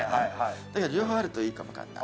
だけど両方あるといいかも分かんない。